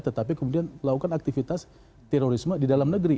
tetapi kemudian lakukan aktivitas terorisme di dalam negeri